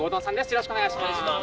よろしくお願いします。